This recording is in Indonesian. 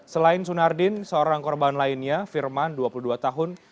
selain sunardin seorang korban lainnya firman dua puluh dua tahun